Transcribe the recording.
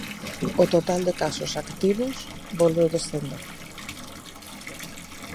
O total de casos activos volveu descender.